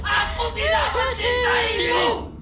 aku tidak mencintai ibu